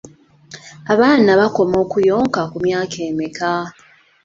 Abaana bakoma okuyonka ku myaka emeka?